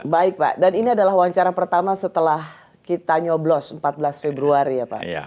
baik pak dan ini adalah wawancara pertama setelah kita nyoblos empat belas februari ya pak